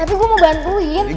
tapi gue mau bantuin